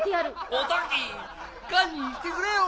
おトキ堪忍してくれよ。